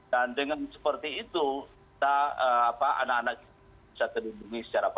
dan dengan seperti itu kita anak anak bisa terhubungi secara baik